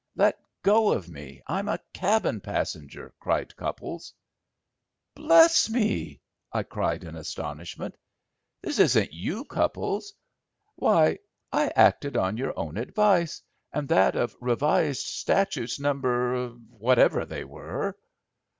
"Let go of me; I'm a cabin passenger," cried Cupples. "Bless me!" I cried in astonishment. "This isn't you, Cupples? Why, I acted on your own advice and that of Revised Statutes, No. what ever they were."